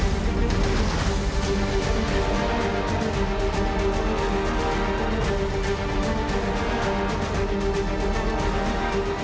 พี่พี่โบว์คะแล้วก็เหมือนเมื่อกี้หลังเกือบเหตุเขาลงมาปะ